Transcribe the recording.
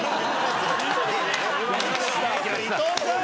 伊藤さん！